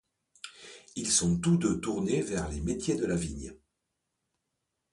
Ils sont tous deux tournés vers les métiers de la vigne.